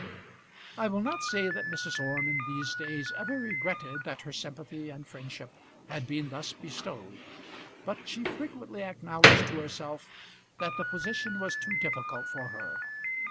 I will not say that Mrs. Orme in these days ever regretted that her sympathy and friendship had been thus bestowed, but she frequently acknowledged to herself that the position was too difficult for her.